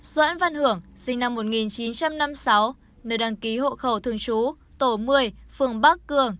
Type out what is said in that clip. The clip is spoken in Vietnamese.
doãn văn hưởng sinh năm một nghìn chín trăm năm mươi sáu nơi đăng ký hộ khẩu thường trú tổ một mươi phường bắc cường